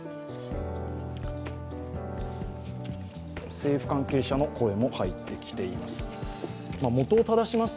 政府関係者の声も入ってきています。